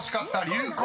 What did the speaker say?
「流行」］